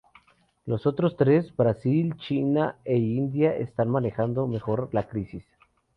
Los otros tres, Brasil, China e India, están manejando mejor la crisis.